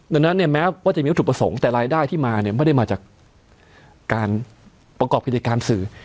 ดังนั้นเนี่ยแม้ว่าจะมีวัตถุประสงค์แต่รายได้ที่มาเนี่ยไม่ได้มาจากการประกอบกิจการสื่อ